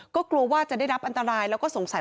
ก็กลัวว่าจะได้รับอันตราย